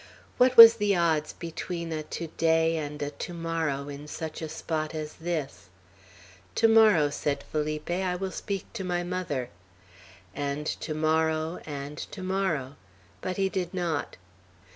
What was the odds between a to day and a to morrow in such a spot as this? "To morrow," said Felipe, "I will speak to my mother," and "to morrow," and "to morrow;" but he did not.